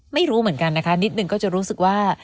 ไม่รู้เหมือนกันนะคะนิดนึงก็จะรู้สึกว่า